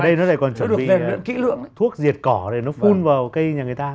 ở đây nó lại còn chuẩn bị thuốc diệt cỏ để nó phun vào cây nhà người ta